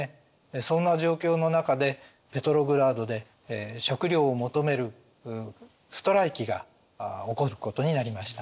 そんな状況の中でペトログラードで食糧を求めるストライキが起こることになりました。